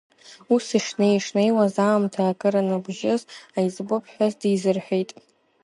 Ус ишнеи-шнеиуаз, аамҭа акыр аныбжьыс, аиҵбы ԥҳәыс дизырҳәеит.